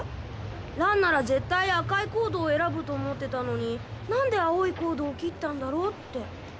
「蘭なら絶対赤いコードを選ぶと思ってたのに何で青いコードを切ったんだろうって」